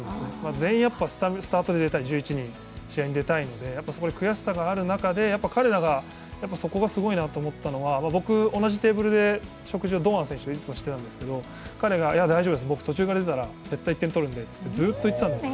全員スタートで出たい、１１人試合に出たいのでそこで悔しさがある中で、彼らがそこがすごいなと思ったのは、僕、同じテーブルを食事を堂安選手としてたんですけど、彼が、いや大丈夫です、途中から出たら絶対、点取るんでってずっと言っていたんです。